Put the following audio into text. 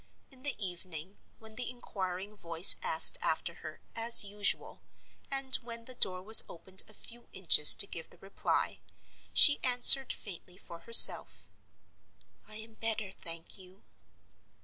In the evening, when the inquiring voice asked after her, as usual, and when the door was opened a few inches to give the reply, she answered faintly for herself: "I am better, thank you."